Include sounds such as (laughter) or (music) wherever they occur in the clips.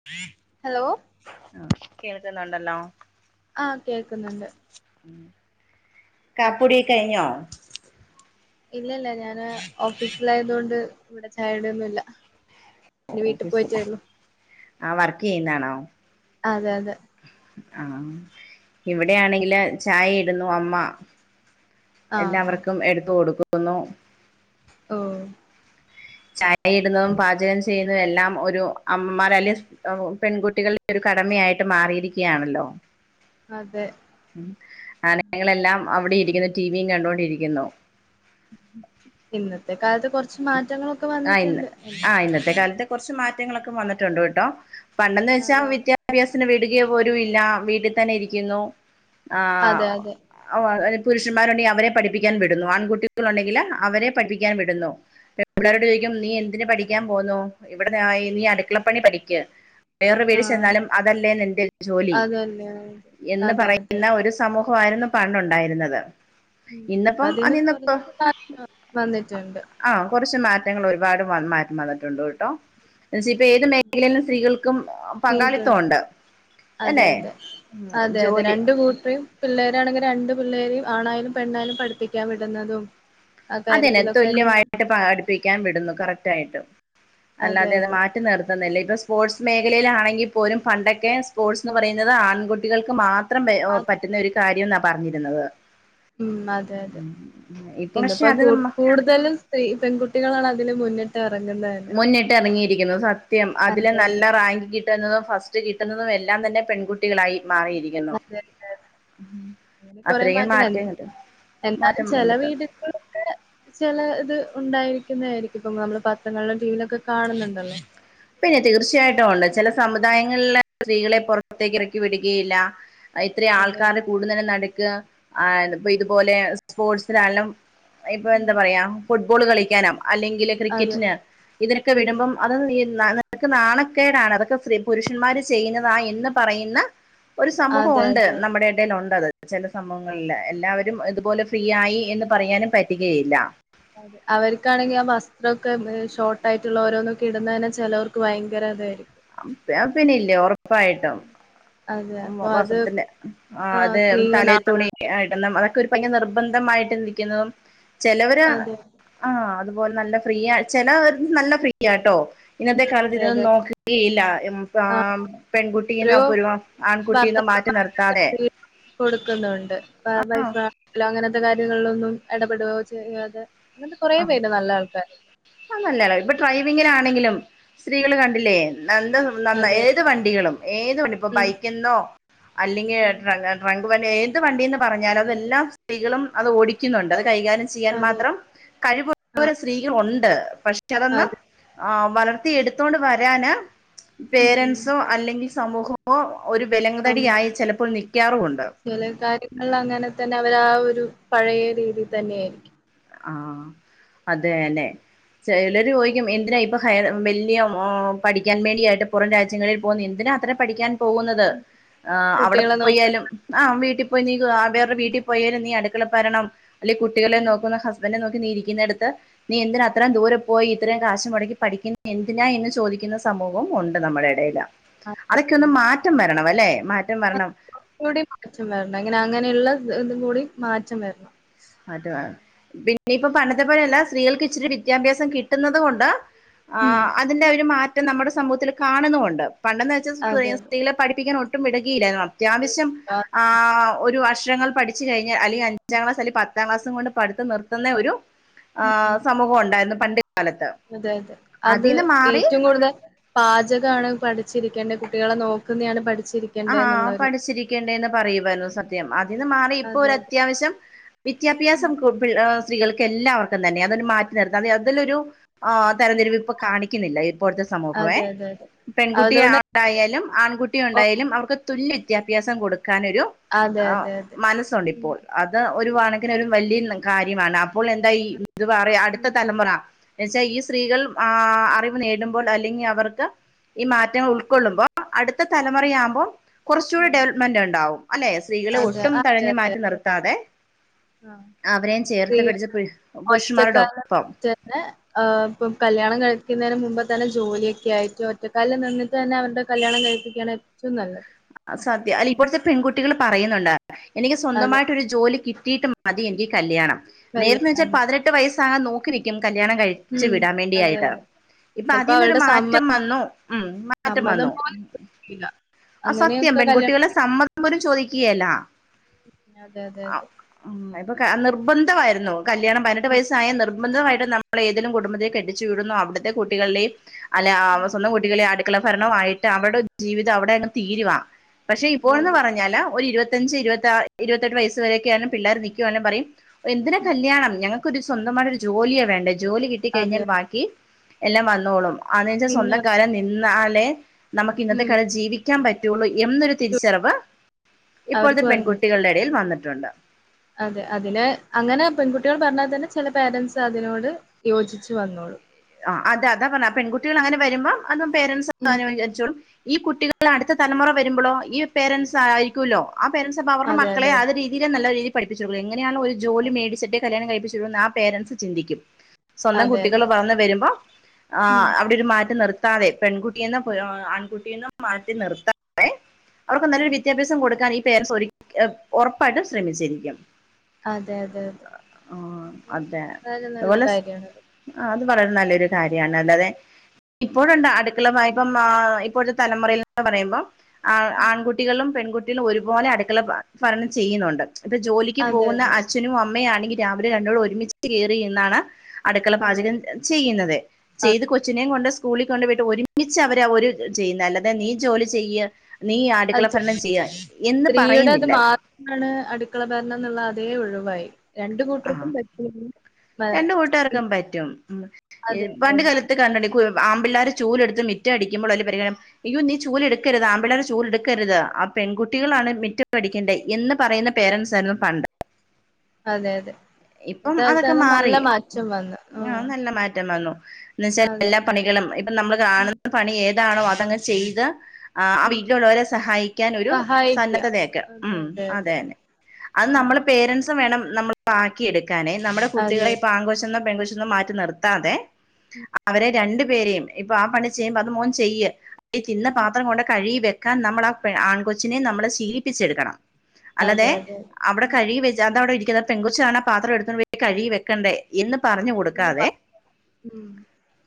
(inaudible) Hello ആഹ് കേൾക്കുന്നുണ്ടല്ലോ ആഹ് കേൾക്കുന്നുണ്ട്. കാപ്പി കുടി കഴിഞ്ഞോ ഇല്ല, ഇല്ല, ഞാന് ഓഫീസിലായതോണ്ട് ഇവിടെ ചായ കുടിയൊന്നുംല്ല. ഓഫീസിൽ, ആ വർക്കയ്യുന്നാണോ അതെ അതെ ആഹ്. ഇവിടെയാണെങ്കില് ചായ ഇടുന്ന അമ്മ ആഹ് എല്ലാവർക്കും എടുത്ത് കൊടുക്കുന്നു ഓഹ് ചായ ഇടുന്നതും, പാചകം ചെയ്യുന്നതും എല്ലാം ഒരു അമ്മമാർ അല്ലെ പെൺകുട്ടികളുടെ ഒരു കടമയായിട്ട് മാറിയിരിക്കുകയാണല്ലോ. അതെ ആണുങ്ങളെല്ലാം അവിടെ ഇരിക്കുന്ന ടിവിയും കണ്ടൊണ്ടിരിക്കുന്നു ഇന്നത്തെ കാലത്ത് കൊറച്ച് മാറ്റങ്ങളൊക്കെ ആ ഇന്ന് വന്നിട്ടുണ്ട്. ആ ഇന്നത്തെ കാലത്ത് കുറച്ച് മാറ്റങ്ങളൊക്കെ വന്നിട്ടുണ്ട്, കേട്ടോ. പണ്ടെന്ന് അതെ വെച്ചാൽ വിദ്യാ വിദ്യാഭ്യാസത്തിന് വിടുകപോലും ഇല്ല. വീട്ടിൽ തന്നെ ഇരിക്കുന്നു. അതെ അതെ ആഹ് പുരുഷന്മാരുണ്ടെങ്കിൽ അവരെ പഠിപ്പിക്കാൻ വിടുന്നു. ആൺകുട്ടികളുണ്ടെങ്കില് അവരെ പഠിപ്പിക്കാൻ വിടുന്നു. പെൺകുട്ടികളോട് അതെ ചോദിക്കും നീ എന്തിന് പഠിക്കാൻ പോന്നു. ഇവിടെ നീ അടുക്കളപ്പണി പഠിക്ക്. വേറെ ആഹ് വീട്ടിൽച്ചെന്നാലും അതല്ലേ നിന്റെ ജോലി അതന്നെ എന്ന് അതെ അതെ പറയുന്ന ഒരു സമൂഹമായിരുന്നു പണ്ട് ഉണ്ടായിരുന്നത് ഉം അതീന്നു കൊറച്ച് മാറ്റം വന്നിട്ടുണ്ട് ആഹ്, കുറച്ച് മാറ്റങ്ങൾ, ഒരുപാട് മാറ്റം വന്നിട്ടുണ്ട്. കേട്ടോ പക്ഷേ ഇത് ഏത് മേഖലയിലെ സ്ത്രീകൾക്കും പങ്കാളിത്തം ഉണ്ട് സ്ത്രീകൾക്ക് അതെ അല്ലെ അതെ, അതെ അതെ, ജോലി രണ്ട് കൂട്ടരും പിള്ളേരാണെങ്കി രണ്ടു പിള്ളേരെയും ആണായാലും പെണ്ണായാലും പഠിപ്പിക്കാൻ വിടുന്നതും ആ അതെന്നെ കാര്യത്തിലൊക്കെ നിന്ന് തുല്യമായിട്ട് പടിപ്പിക്കാൻ വിടുന്നു കറക്‌റ്റായിട്ട് അതെ അല്ലാതെ അത് അതെ മാറ്റി നിർ ന്നല്ലേ ഇപ്പ സ്പോർട്സ് മേഖലയിലാണെങ്കി പോലും പണ്ടൊക്കെ സ്പോർട്സ്ന്ന് പറയുന്നത് ആൺകുട്ടികൾക്ക് മാ ത്രം ആ പറ്റുന്ന ഒരു കാര്യന്നാ പറഞ്ഞിരുന്നത് ഇപ്പൊ ശ് ഇപ്പൊ കൂ കൂടുതലും സ്ത്രീ പെൺകുട്ടികളാണ് അതിന് മുന്നിട്ട് എറങ്ങുന്ന മുന്നിട്ടിറങ്ങിയിരിക്കുന്നു സത്യം അതില് അതെ നല്ല അതെ റാങ്ക് കി കിട്ടുന്നതും ഫസ്റ്റ് കിട്ടുന്നതും എല്ലാം തന്നെ പെൺകുട്ടികളായി മാറിയിരി ക്കുന്നു അതെ അതെ അതെ അങ്ങനെ കൊറെ അത്രയും മാറ്റം മാറ്റങ്ങ മാറ്റം വന്നിട്ടണ്ട് ഒക്കെ ചെലത് ഉണ്ടായിരിക്കുന്നതായിരിക്കും ഇപ്പ നമ്മള് പാത്രങ്ങളിലും ടിവിയിലൊക്കെ കാണുന്നുണ്ടല്ലോ പിന്നെ തീർച്ചയായിട്ടും ഒണ്ട് ചെല സമുദായങ്ങളിലെ സ്ത്രീകളെ പൊറത്തേക്ക് ഇറക്കി വിടുകയില്ല അ ഇത്രയും അതെ ആൾക്കാര് അതെ കൂടുന്നയിന്റെ നടുക്ക് ആ ഇപ്പൊ ഇതുപോലെ സ്പോർട്സിലാണെലും ഇപ്പൊ ഉം എന്താ പറയാ ഫുട്ബോൾ കളിക്കാനാ അല്ലെങ്കില് അതെ ക്രിക്കറ്റിന് ഇതിനൊക്കെ ഉം വിടുമ്പം അത് ഈ നിനക്ക് നാണക്കേടാണ് അതൊക്കെ സ്ത്രീ പുരുഷന്മാര് ചെയ്യുന്നതാ എന്ന് പറയുന്ന ഒരു അതെ സമൂഹവൊണ്ട് അതെ അതെ നമ്മടെ എ ടേൽ ഒണ്ടത് ചെല സംഭവങ്ങളില് എല്ലാവരും ഇതുപോലെ ഫ്രീ ആയി എന്ന് പറയാനും പറ്റുകയില്ല അതെ അവർക്കാണെങ്കിൽ ആ വസ്ത്രൊക്കെ ഷോട്ടായിട്ടുള്ള ഓരോന്നൊക്കെ ഇടുന്നയെന്നെ ചെലോർക്ക് ഭയങ്കര ഇതായിരിക്കും പിന്നില്ലേ ഒറപ്പായിട്ടും അതെ ഉം അപ്പൊ അത് വസ്ത്രത്തിന്റെ ആ ആഹ് അതെ സ്ത്രീകൾ തല നാളെ തുണി ആഹ് ഇടണം അതൊക്കെ ഒരു ഭയങ്കര നിർബന്ധമായിട്ടെന്നെ ഇരിക്കുന്നതും ചെലവര് അതെ ആഹ് അതുപോലെ നല്ല ഫ്രീയാ ചെല നല്ല ഫ്രീയാട്ടോ ഇന്നത്തെ കാലത്ത് അതെ ഇതൊന്നും അതെ നോക്ക യില്ല മ്മ് പ്പാ ആ പെൺകുട്ടിന്നൊ എത്രയോ ഇപ്പൊരു ആൺകുട്ടിന്നൊ മാറ്റി നിർത്താതെ ഭർത്താക്കന്മാര് കൊടുക്കുന്നുണ്ട് ആ വൈഫാ അങ്ങനത്തെ കാര്യങ്ങളിലൊന്നും ഇടപെടുയോ ചെയ്യാതെ അങ്ങനത്തെ കുറേ പേരുണ്ട് നല്ല ആൾക്കാര് അ നല്ലയാണ് ഇപ്പൊ ഡ്രൈവിങ്ങിനാണെങ്കിലും സ്ത്രീകള് കണ്ടില്ലേ ന ന അതെ ഏത് വണ്ടികളും ഏത് വണ്ടി ഇപ്പൊ ഉം ബൈക്കെന്നോ അല്ലെങ്കി ഉം ട്രാ ട്രങ്ക് വണ്ടി ഏത് വണ്ടിന്ന് പറഞ്ഞാലും അതെ അതെ അതെല്ലാം സ്ത്രീകളും അത് ഓടിക്കുന്നുണ്ട് അത് കൈകാര്യം ചെയ്യാൻ അതെ മാത്രം ആ കഴിവുള്ളൊരു സ്ത്രീകളൊണ്ട് പക്ഷെ അതൊന്ന് അതെ ആഹ് വളർത്തിയെടുത്തോണ്ട് വരാന് ഉം പേരൻസോ അല്ലെങ്കി സമൂഹമോ ഒരു വെലങ്ങ്തടിയായി ചെലപ്പോൾ നിക്കാറുവൊണ്ട് ചെല കാര്യങ്ങളിലങ്ങനെ തന്നെ അവരാ ഒരു പഴയ രീതി തന്നെയായിരിക്കും ആ അതെയെന്നെ ചെലര് ചോയിക്കും എന്തിനാ ഇപ്പ ഹയ വല്ല്യ മ്മ് പഠിക്കാൻ വേണ്ടിയായിട്ട് പൊറം രാജ്യങ്ങളിൽ പോവുന്ന എന്തിനാ അത്ര പഠിക്കാൻ പോവുന്നത് ആ അവടെ കുട്ടികളെ നോക്കി പോയാലും ആ വീട്ടി പോയി നീ ആ വേറൊരു വീട്ടി പോയാലും നീ അട് ക്കള ഭരണം അല്ലെ കുട്ടികളെ ഉം. നോക്കുന്നു ഹസ്ബന്റിനെ നോക്കി നീ ഇരിക്കുന്നേടത്ത് നീ എന്തിനാ അത്രേ ദൂരെ പോയി ഇത്രയും കാശ് മൊടക്കി പഠിക്കുന്നയെന്തിനാ എന്ന് ചോദിക്കുന്ന സമൂ വും ഒണ്ട് നമ്മടെടേൽ അതെ അതെ അതൊക്കെയൊന്ന് അതെ. മാറ്റം വരണം. അല്ലെ? മാറ്റം വരണം കൂടി മാറ്റം വരണം എങ്ങനെ അങ്ങനെയുള്ള ഇതും കൂടി മാറ്റം വരണം. മാറ്റം പിന്നെയിപ്പൊ പണ്ടത്തെ പോലെയല്ല സ്ത്രീകൾക്ക് ഇച്ചിരി വിദ്യാഭ്യാസം കിട്ടുന്നത് കൊണ്ട് ആ ഉം. അതിന്റെ ഒരു മാറ്റം നമ്മുടെ സമൂഹത്തിൽ കാണുന്നുണ്ട് പണ്ടെന്ന് വെച്ചാ സ് സ്ത്രീ അതെ സ്ത്രീകളെ പഠിപ്പിക്കാൻ ഒ ട്ടും വിടുക്കിലേന്നു അതെ. അത്യാവശ്യം ആ ഒരു അക്ഷരങ്ങൾ പഠി ച്ച് കഴിഞ്ഞാ അല്ലെങ്കി അഞ്ചാംക്ലാസ് അല്ലെങ്കി പത്താം ക്ലാസും കൊണ്ട് പഠിത്തം നിർത്തുന്ന ഒരു ആ സമൂഹൊണ്ടായിരുന്നു പണ്ട് കാലത്ത് അതെയതെ അത് അതിന്ന് മാറി ഏറ്റും കൂടുതൽ പാചകാണ് പഠിച്ചിരിക്കേണ്ടെ കുട്ടികളെ നോക്കുന്നെയാണ് പഠിച്ചിരി ആ പഠിച്ചിരിക്കേണ്ടേന്ന് പറയുമായിരുന്നു സത്യം അതിന്ന് മാറി ഇപ്പൊ അതെ അതെ. ഒരത്യാവശ്യം ഉം. വിദ്യാഭ്യാസം കൊ പിൾ ഹേ സ്ത്രീകൾക്ക് എല്ലാവർക്കും തന്നെ അതൊരു മാറ്റി നിർത്ത അതെ അതിലൊരു ആ തരംതിരിവ് ഇപ്പൊ കാണിക്കുന്നില്ല ഇപ്പോഴത്തെ സമൂഹവേ അതെ അതെ അതെ. പെൺകുട്ടിയ അതുകൊണ്ട് യായാലും ആൺകുട്ടി ഓ ഉണ്ടായാലും അവർക്ക് തുല്യ വിദ്യാഭ്യാസം കൊടുക്കാൻ ഒരു അതെ ആ അതെ അതെ. മനസ്സുണ്ട് ഉം. ഇപ്പോൾ അത് ഒരു വാണക്കിന് ഒരു വല്യന്ന് കാര്യമാണ് അപ്പോൾ എന്താ ഈ ഇത് പറയാ അടുത്ത ഉം. തലമുറ വെച്ചാ ഈ ഉം. സ്ത്രീകൾ ആ ആ അറിവ് നേടുമ്പോൾ അല്ലെങ്കിൽ അവർക്ക് ഈ മാറ്റങ്ങൾ ഉൾക്കൊള്ളുമ്പോൾ അടുത്ത തല മുറയാകുമ്പം കൊറച്ചൂടെ ഉം. ഡെവലപ്മെന്റ് ഇണ്ടാവും. അല്ലെ? സ്ത്രീകളെ അതെ ഒട്ടും തഴഞ്ഞ് മാറ്റി നിർത്താതെ ആ അവരെയും ചേർത്ത് പിടിച്ച് (unintelligible) പുരുഷന്മാരുടെ ഒറ്റക്കാലൻ ഒപ്പം റ്റന്നെ ആ ഇപ്പം കല്യാണം കഴിക്ക്ന്നേന് മുമ്പ് തന്നെ ജോലിയൊക്കെ ആയിട്ട് ഒറ്റക്കാലിൽ നിന്നിട്ട് തന്നെ അവരുടെ കല്യാണം കഴിപ്പിക്കാന് ഏറ്റവും നല്ലത്. അഹ് സത്യ അല്ല ഇപ്പോഴത്തെ പെൺകുട്ടികൾ പറയുന്നുണ്ട്. എനിക്ക് അതെ സ്വന്തമായിട്ടൊരു ജോലി കിട്ടിയിട്ട് മതി എനിക്ക് കല്യാണം നേരത്തെ വെച്ചാൽ കല്യാണം പതിനെ ട്ട് വയസ്സാകാൻ നോക്കി നിക്കും കല്യാണം കഴി ച്ച് ഉം വിടാൻ അതെ വേണ്ടിയായിട്ട് അതെ ഇപ്പൊ ചിലപ്പോ അതിൽന്നൊരു അവരുടെ മാറ്റം സമ്മതം വന്നു ഉം മാറ്റം വന്നു. ഇല്ല അഹ് സത്യം പെൺകുട്ടികളെ സമ്മതം പോലും ചോദിക്കുകയല്ല അതെ അതെ ആ അതെ ഉം ഇപ്പൊ ക നിർബന്ധമായിരുന്നു കല്യാണം പതിനെട്ട് വയസ്സായ നിർബ ന്ധമായിട്ടും നമ്മളെ ഏതിലും കുടുംബത്തെ കെട്ടിച്ചു വിടുന്നോ അവിടുത്തെ കുട്ടികൾലേയും അല്ല സ്വന്തം കുട്ടികളെ അട ക്കള ഭരണമായിട്ട് അവടെ ജീവിതം അവടെ അങ്ങ് തീരുവാ പക്ഷെ ഇപ്പോഴ അതെ എന്ന് അതെ അതെ പറഞ്ഞാല് ഒരു ഇരുപ ത്തഞ്ച് ഇരുപത്താ ഇരുപത്തെട്ട് വയസ്സ് വരെക്കെയാണ് പിള്ളേർ നിക്കുവല്ലം പറയും എന്തിന കല്യാണം ഞങ്ങ ഒരു സ്വന്തമായിട്ട് ഒരു ജോലിയേ വേണ്ടേ ജോലി കിട്ടി അതെ കഴിഞ്ഞാൽ ബാക്കി എല്ലാം വന്നോളും. (unintelligible) പിന്നെ സ്വന്തം കാലേ നിന്നാലേ നമുക്ക് ഇന്നത്തെ ഉം കാലത്ത് ജീവിക്കാൻ പ റ്റൊള്ളൂ എന്നൊരു തിരിച്ചറിവ് ഇപ്പോഴത്തെ അവർക്ക് വന്നിട്ടുണ്ട് പെൺകുട്ടികളുടെ ഇടയിൽ വന്നിട്ടുണ്ട്. അതെ അതിനെ അങ്ങനെ പെൺകുട്ടികൾ പർഞ്ഞാ തന്നെ ചെല പേരൻസ് അതിനോട് യോജിച്ച് വന്നോളു. ആ അത അതാ പർഞ്ഞേ പെൺകുട്ടികൾ അങ്ങനെ വരുമ്പം അതും പേരൻസ് ഉം (unintelligible) വിചാരിച്ചോളും ഈ കുട്ടിക ൾ അടുത്ത തലമുറ വരുമ്പളോ ഈ പേരൻസ് ആയിരിക്കുല്ലോ ആ പേരൻസ് അപ്പ അവർണ അതെ മക്കളെ അതെ അതെ അത് രീ തീരെ നല്ല രീതി പഠപ്പിച്ചുടുളൂ എങ്ങനെയണ ഒരു ജോലി മേടിച്ചിട്ടേ കല്യാണം കഴിപ്പിച്ച് വിടു എന്ന് ആ പേരൻറ്സ് ചിന്തിക്കും സ്വന്തം അതെ കുട്ടികൾ അതെ വളർന്ന് വരുമ്പോ ആ ഉം അവിടെയൊരു മാറ്റം നിർ ത്താതെ പെൺകുട്ടിയെന്നും ആൺകുട്ടിയെന്നും മാറ്റി നിർത്താതെ അവർക്ക് നല്ലൊരു വിദ്യാഭ്യാസം കൊടുക്കാൻ ഈ പേരൻറ്സ് ഒരി ഉറപ്പായിട്ടും ശ്രമിച്ചിരിക്കും അതെ അതെ അതെ ആഹ് അതെ വളരെ നല്ല അതുപോലെ സ് കാര്യണത്. അ തു പറയുന്ന നല്ലൊരു കാര്യമാണ് അല്ലാതെ ഇപ്പോഴുണ്ട് അടുക്കള പോയപ്പം ആ ഇപ്പോഴത്തെ തലമുറൽന്ന് പറയുമ്പോം ആ ഉം ആൺകുട്ടികളും പെൺകുട്ടികളും ഒരുപോലെ അടുക്കള ഭരണം ചെയ്യുന്നുണ്ട് ഇപ്പ ജോലിക്ക് അതെ പോകുന്ന അതെ അച്ഛനും അമ്മയും ആണെങ്കിൽ രാവിലെ രണ്ടോളം ഒരുമിച്ച് കേറി നിന്നാണ് അടുക്കള അതെ പാചകം അതെ ചെയ്യുന്നത് അതെ ചെയ്ത് കൊച്ചിനെയും കൊണ്ട് സ്കൂളിൽ കൊണ്ട് പോയിട്ട് ഒരുമിച്ച് അവർ ഒരു ചെയ്യുന്ന അല്ലാതെ നീ ജോലി അതെ ചെയ്യ് നീ അടുക്കള അത് ഭരണം ചെയ്യ് എന്ന് പറയുന്നില്ല ആണ് അടുക്കള ഭരണന്നുള്ള അതേ ഒഴിവായി രണ്ട് ആഹ് കൂട്ടർക്കും പറ്റില്ല രണ്ട് കൂട്ടുകർക്കും പറ്റും മ് അതെ പണ്ട് അതെ കാല (unintelligible) ആമ്പിള്ളേര് ചൂലെടുത്ത് മിറ്റം അടിക്കുമ്പൊ വലിയ (unintelligible) അയ്യോ നീ ചൂലെടുക്കരുത് ആമ്പിള്ളേ ചൂല് എടുക്കരുത് പെൺകുട്ടികളാണ് മിറ്റം അടിക്കണ്ടേ എന്ന് പറയുന്ന പേരൻറ്സ് ആയിരുന്നു പണ്ട് അതെ അതെ ഇപ്പം ഇന്നത്തെ കാലത്ത് അതൊക്കെ അത് നല്ല മാറി മാറ്റം വന്ന് ആഹ് നല്ല മാറ്റം വന്നു എന്ന വെച്ചാൽ അതെ എല്ലാ പണികളും ഇപ്പൊ നമ്മള് ഉം കാണുന്ന പണി ഏതാണോ അതങ്ങ് ചെയ്ത് ആ ആ ഉം വീട്ടിലുള്ളവരെ സഹായിക്കാൻ ഒരു സഹായിക്ക സന്നദ്ധതയേക്ക് ഉ അതെ അതെ അതെ അതെന്നെ അത് ഉം നമ്മള് പേരൻറ്സ് വേണം നമ്മളാക്കിയെടുക്കാനേ നമ്മുടെ അതെ കുട്ടികളെ ഇപ്പൊ ആങ്കൊച്ചെന്നോ പെങ്കൊച്ചെന്നോ മാറ്റി നിർത്താതെ ഉം അവരെ അതെ രണ്ടു പേരെയും ഇപ്പൊ ആ പണി ചെയ്യുമ്പോ അത് മോൻ ചെയ്യ് ഈ തിന്ന പാത്രം കൊണ്ട് കഴുകി വെക്കാൻ നമ്മൾ ആ ആൺകൊച്ചിനെ നമ്മള് ശീലിപ്പിച്ചെടുക്കണം അതെ അല്ലാതെ അതെ അതെ അവിടെ ഉം കഴുകി വെ അത വിടെ ഇരിക്കുന്നത് ആ പെങ്കുച്ചാണ് പാത്രം എടുത്തണ്ട് പോയി കഴുകി വെക്കണ്ടേ എന്ന് പറഞ്ഞു ഒന്ന് കൊടുക്കാതെ പറ ഉം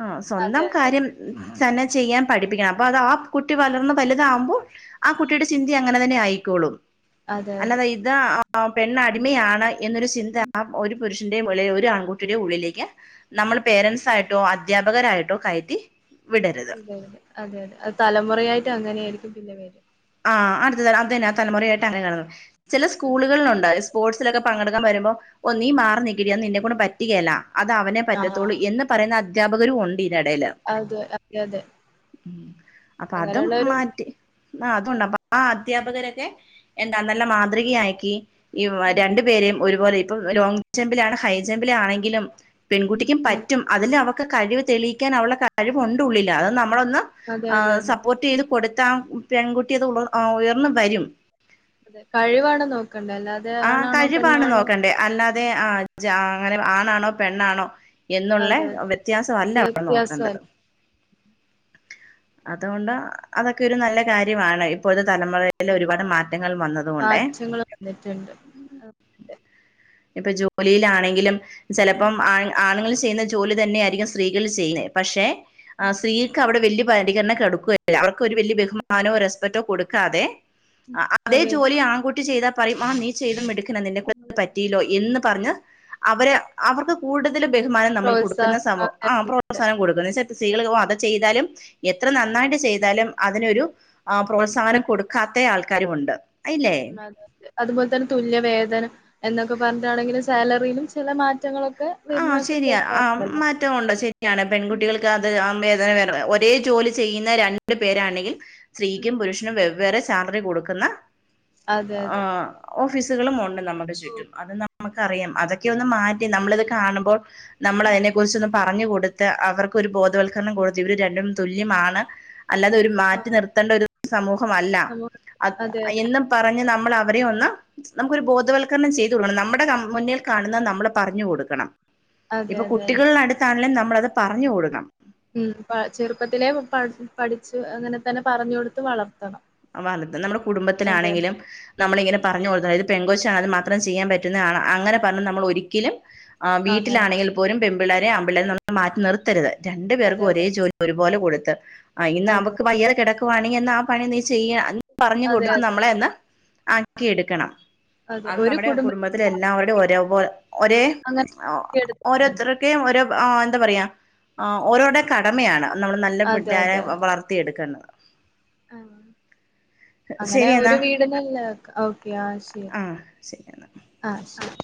ആ സ്വന്തം അതെ അതെ കാര്യം തന്നെ ചെയ്യാൻ പഠിപ്പിക്കണം അപ്പൊ അത് ആ കുട്ടി വളർന്ന് വലുതാകുമ്പോ ആഹ് കുട്ടിയുടെ ചിന്തയും അങ്ങനെ തന്നെ ആയിക്കോളും. അതെ അതെ അല്ലാതെ ഇതാ ആ പെണ്ണടിമയാണ് എന്നൊരു ചിന്ത ആ ഒരു പുരുഷന്റേം അല്ലേല് ഒരു ആൺകുട്ടിയുടേം ഉള്ളിലേക്ക് നമ്മൾ പേരൻസ് ആയിട്ടോ അധ്യാപകരായിട്ടോ കയറ്റി. വിടരുത് ഇല്ലല്ല അതെ അതെ അത് തലമുറയായിട്ട് അങ്ങനെ ആയിരിക്കും പിന്നെ പേര്. ആ അടുത്തതന്നെ അതന്നെ ആ തലമുറയായിട്ട അങ്ങനെ കാണുന്നത് ചെല സ്കൂളുകൾലുണ്ടായി സ്പോർട്സിലൊക്കെ പങ്കെടുക്കാൻ വരുമ്പോൾ, ഓഹ് നീ മാറി നിക്കടി അത് നിന്നെ കൊണ്ട് പറ്റുകയല്ല അത് അവനെ പറ്റത്തുള്ളൂ ആഹ് എന്ന് പറയുന്ന അധ്യാപകരും ഉണ്ടി തിന്റെ എടേല അതെ അതെ അതെ ഉം അപ്പ അതും അങ്ങനെയുള്ളവരുണ്ട് മാറ്റി ആ അതുണ്ട് അപ്പ ആ അദ്ധ്യാപകരെക്കെ എന്താ നല്ല മാതൃകയാക്കി ഈ രണ്ട് ഉം രണ്ട് പേരേം ഒരുപോലെ ഇപ്പം ലോങ് ജമ്പിലാണ് ഹൈ ജമ്പിലാണെങ്കിലും ഉം പെൺകുട്ടിക്കും അതെ പറ്റും അതില് അവക്ക് കഴിവ് തെളിയിക്കാൻ അവളെ കഴിവ് ഉണ്ട് ഉള്ളില്, അത് നമ്മളൊന്ന് അതെ ആ അതെ അതെ സപ്പോർട്ടെയ്ത് കൊടുത്താ ആ പെൺകുട്ടി അത് ഉള ഉയർന്ന് വരും അതെ കഴിവാണ് നോക്കണ്ടേ അല്ലാതെ ആ ആണാണോ കഴിവാണ് പെണ്ണാണോ നോക്കണ്ടേ അല്ലാതെ ആ ജാ അങ്ങനെ ആണാണോ പെണ്ണാണോ എന്നുള്ള അതെ അതെ വ്യത്യാസവല്ല അവിടെ വ്യത്യാസം നോക്കണ്ടത് അല്ല അതു കൊണ്ട് അതൊക്കെ ഒരു നല്ല കാര്യമാണ് ഇപ്പോഴത്തെ തലമുറയ നല്ല ഒരുപാട് മാറ്റങ്ങൾ വന്നത് കൊണ്ടേ മാറ്റങ്ങൾ വന്നിട്ടുണ്ട് അതെ ഇപ്പം ജോലിയിലാണെങ്കിലും ചെലപ്പം ആണ് ആണുങ്ങള് ചെയ്യുന്ന ജോലി തന്നെയായിരിക്കും സ്ത്രീകൾ ചെയ്യുന്നെ. പക്ഷേ ആഹ് സ്ത്രീക്ക് അവിടെ വല്ല്യ പരിഗണന കൊടുക്കുവല്ല അവർക്കൊരു ഒരു വല്ല്യ ബഹു ബഹുമാനോ, റെസ്പെക്റ്റോ കൊടുക്കാതെ ഉം ആ അതേ അതെ ജോലി ആൺകുട്ടി ചെയ്താ പറയും ആ നീ ചെയ്ത മിടു നിന്നെ കൊണ്ട് അതെ പറ്റിഴില്ലോ എന്ന് പർഞ്ഞ് അവരെ അവർക്ക് കൂടുതല് ബഹുമാനം നമ്മള് കൊടുക്കുന്ന പ്രോത്സാഹനം സമം അതെ, ആ അതെ. പ്രോത്സാഹനം കൊടുക്ക്ണ (unintelligible) സ്ത്രീകള് ഓ അത് ചെയ്താലും എത്ര നന്നായിട്ട് ചെയ്താലും അതിനൊരു ആ പ്രോത്സാഹനം കൊടുക് മാനം കൊടുക്കാത്തേ ആൾക്കാരുമുണ്ട് അതില്ലേ? വേതനം, അതെ, അതെ. അതുപോലെ തന്നെ തുല്യവേതനം എന്നൊക്കെ പറഞ്ഞിട്ടാണെങ്കില് സാലറിയിലും ചില മാറ്റങ്ങളൊക് ക്ക വരുന്നൊക്കെ കേക്കാറുണ്ടല്ലോ റ്റ ഉണ്ടോ ശരിയാണ് പെൺകുട്ടികൾക്ക് അത് ആം വേദന (unintelligible) ഒരേ ജോലി ചെയ്യുന്ന രണ്ടു പേരാണെങ്കിൽ ഉം സ്ത്രീക്കും പുരുഷനും വെവ്വേറെ സാലറി കൊടുക്കുന്ന അതെ ആ അതെ ഓഫീസുകളും ഉണ്ട് നമുക്ക് ഓ ചുറ്റും അത് നമ്മക്കറിയാം അതൊക്കെ ഒന്ന് മാറ്റി നമ്മളിത് കാണുമ്പോ നമ്മള് അതിനെ കുറിച്ചൊന്ന് പറഞ്ഞ് കൊടുത്ത് അവർക്കൊരു ബോധവൽക്കരണം കൊടുത്ത് ഇവര് രണ്ടും തുല്യമാണ് അല്ലാതെ ഒരു ആ മാറ്റി നിർത്തേണ്ട ഒരു സമൂഹമല്ല സമൂഹ അത് അതെ അതെ എന്നും പറഞ്ഞ് നമ്മളവരെ ഒന്ന് നമുക്കൊരു ബോധവത്ക്കരണം ചെയ്തു കൊടുക്കണം നമ്മുടെ കം മുന്നിൽ കാണുന്നത് നമ്മള് പറഞ്ഞു കൊടു ക്കണം അതെ ഇപ്പോ അതെ അതെ കുട്ടികളുടെ അടുത്താണെങ്കിലും നമ്മളത് പറഞ്ഞു കൊടുക്കണം ഉം പ ചെറുപ്പത്തിലെ പ പഠിച്ച് അങ്ങനെ തന്നെ പറഞ്ഞു കൊടുത്ത് വളർത്തണം വലത് നമ്മടെ അതെ അതെ കുടുംബത്തിനാണെങ്കിലും നമ്മളിങ്ങനെ പറഞ്ഞു കൊടുത്ത് അതായത് പെൺ കൊച്ചായാൽ മാത്രം ചെയ്യാൻ പറ്റുന്ന ആണ് അങ്ങനെ പറഞ്ഞ് നമ്മളൊരിക്കലും ആഹ് അങ്ങനെ വീട്ടിലാണെങ്കിൽ പോലും പെമ്പിള്ളാരേം ആമ്പിള്ളേരേം നമ്മള് മാറ്റി നിർത്തരുത് രണ്ടു അതെ പേർക്കും ഒരേ അതെ ജോലി ഒരുപോലെ കൊടുത്ത് ആ ഇന്ന് അതെ അവക്ക് വയ്യാതെ കിടക്കുവാണെങ്കിൽ എന്ന ആ പണി നീ ചെയ്യാ പറഞ്ഞു അതെ കൊടുത്ത് അതെ നമ്മളെ അന്ന് ആക്കി എടുക്കണം അതെ അത് ഒരു നമ്മുടെ കുടുംബത്തിൽ കുടുംബ ഓര് എല്ലാവരും ഓരെ പോൽ ഒരേ അങ്ങനെ വളർത്തിയെടുത്താൽ മതി ഓരോര്ത്തരൊ ക്കെയും ഒരു എന്താ പറയാ ആ ഓരോടെ കടമയാണ് നമ്മള് നല്ല അതെ പിള്ളാരെ വളർ ത്തി എടുക്കണ്ടത ആഹ് അങ്ങനെ ശരി എന്നാ ഒരു വീടിനല്ല ഓക്കെ ആഹ് ശരി ആ ശരി എന്നാ ആഹ് ശരി